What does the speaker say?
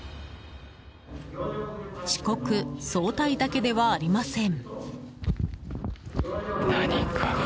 遅刻、早退だけではありません。